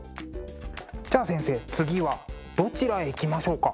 じゃあ先生次はどちらへ行きましょうか？